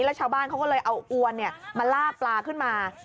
แล้วชาวบ้านเขาก็เลยเอาอวนมาล่าปลาขึ้นมา